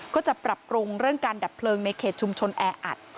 ก็จะปรับปรุงเรื่องการดับเพลิงในเขตชุมชนแออัด